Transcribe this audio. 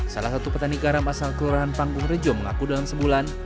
salah satu petani garam asal kelurahan panggung rejo mengaku dalam sebulan